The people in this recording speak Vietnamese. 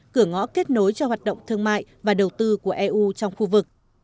cửa ngõ kết nối cho hoạt động thương mại và đầu tư của eu trong khu vực